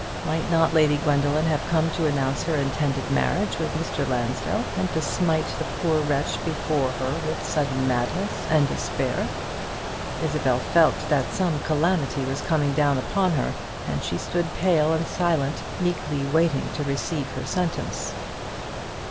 Might not Lady Gwendoline have come to announce her intended marriage with Mr. Lansdell, and to smite the poor wretch before her with sudden madness and despair? Isabel felt that some calamity was coming down upon her: and she stood pale and silent, meekly waiting to receive her sentence.